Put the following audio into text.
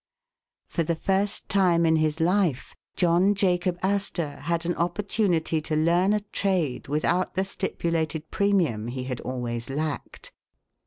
For the first time in his life, John Jacob Astor had an opportunity to learn a trade without the stipulated premium he had always lacked.